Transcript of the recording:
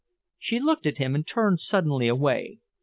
She looked at him and turned suddenly away.